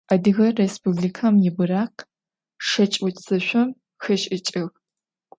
Adıge Rêspublikem yi bırakh şşeç' vutsışsom xeş'ıç'ığ.